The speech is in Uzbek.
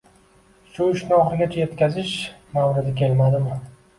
Shu ishni oxiriga yetkazish mavridi kelmadimi?